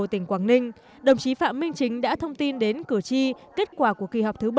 tỉnh quảng ninh đồng chí phạm minh chính đã thông tin đến cử tri kết quả của kỳ họp thứ bảy